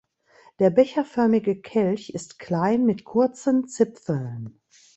Der becherförmige Kelch ist klein mit kurzen Zipfeln.